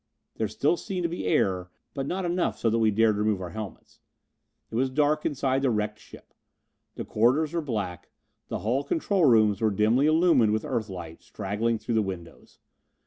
There still seemed to be air, but not enough so that we dared remove our helmets. It was dark inside the wrecked ship. The corridors were black; the hull control rooms were dimly illumined with Earth light straggling through the windows.